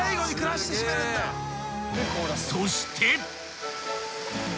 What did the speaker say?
［そして］